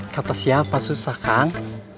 kata siapa susah kang